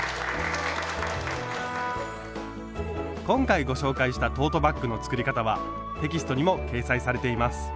今回ご紹介したトートバッグの作り方はテキストにも掲載されています。